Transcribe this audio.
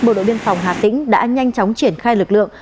bộ đội biên phòng hà tĩnh đã nhanh chóng triển khai lực lượng